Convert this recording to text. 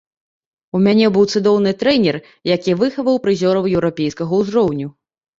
У мяне быў цудоўны трэнер, які выхаваў прызёраў еўрапейскага ўзроўню.